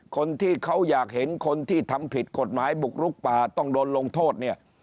คนที่เขาอยากเห็นคนที่ทำผิดกฎหมายบุกลุกป่าต้องโดนลงโทษเนี่ย